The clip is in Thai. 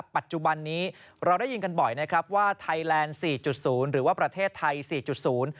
ปัจจุบันนี้เราได้ยินกันบ่อยนะครับว่าไทยแลนด์๔๐หรือว่าประเทศไทย๔๐